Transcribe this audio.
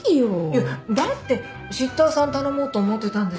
いやだってシッターさん頼もうと思ってたんだし。